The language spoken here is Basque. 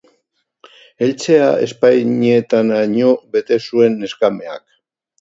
Eltzea ezpainetaraino bete zuen neskameak.